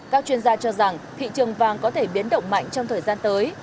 các chuyên gia cho rằng thị trường vàng có thể biến động mạnh trong thời gian tới